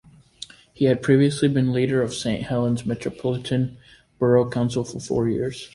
He had previously been leader of Saint Helens Metropolitan Borough Council for four years.